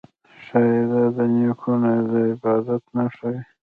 ښايي دا د نیکونو د عبادت نښه وي